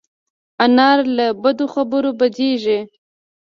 انا له بدو خبرو بدېږي